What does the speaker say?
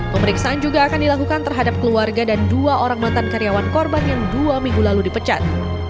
pemeriksaan juga akan dilakukan terhadap keluarga dan dua orang mantan karyawan korban yang dua minggu lalu dipecat